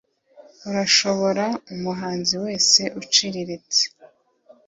urashobora umuhanzi wese uciriritse